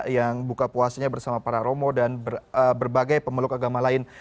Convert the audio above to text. yang buka puasanya bersama para romo dan berbagai pemeluk agama lain